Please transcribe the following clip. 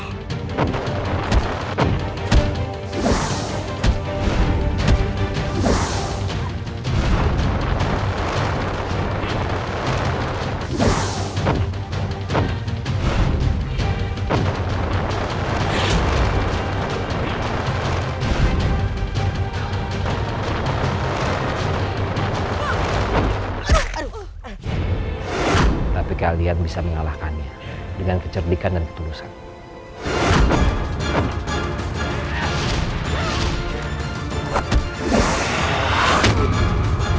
hai tapi kalian bisa mengalahkannya dengan kecerdikan dan kecerdekan